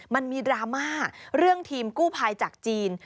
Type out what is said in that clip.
มันมีดราม่าเรื่องทีมกู้ภัยจากจีน